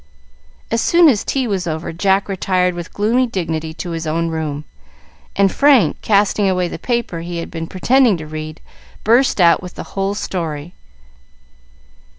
As soon as tea was over, Jack retired with gloomy dignity to his own room, and Frank, casting away the paper he had been pretending to read, burst out with the whole story.